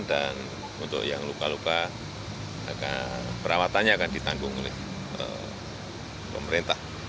dan untuk yang luka luka perawatannya akan ditanggung oleh pemerintah